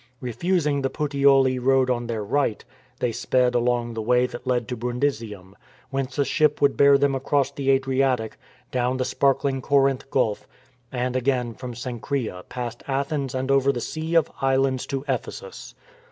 Refusing the Puteoli road on their right, they sped along the Way that led to Brundisium, whence a ship would bear them across the Adriatic, down the sparkling Corinth Gulf, and again from Cenchreae past Athens and over the Sea of Islands to Ephesus.